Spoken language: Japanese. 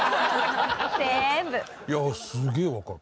いやすげえわかる。